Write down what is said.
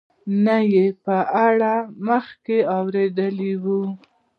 نه یې په اړه مخکې اورېدلي وو.